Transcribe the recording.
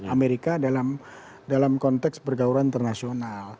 amerika dalam konteks pergaulan internasional